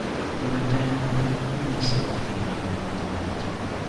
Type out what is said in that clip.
Le tenebre misero fine ai combattimenti.